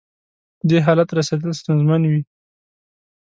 دې حالت رسېدل ستونزمن وي.